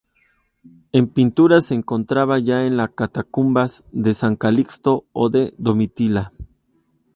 En pintura se encontraba ya en la catacumbas de San Calixto o de Domitila.